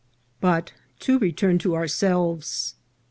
BUT to return to ourselves.